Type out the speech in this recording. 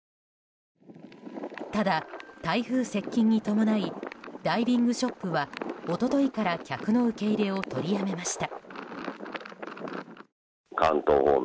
ただ、台風接近に伴いダイビングショップは一昨日から客の受け入れを取りやめました。